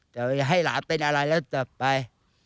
แต่ให้หลามเป็นอะไรแล้วต่อไป